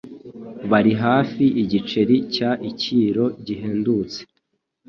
Bari hafi igiceri cya ikiro gihendutse.